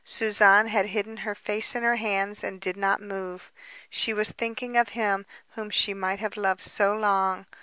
Suzanne had hidden her face in her hands, and did not move. She was thinking of him whom she might have loved so long!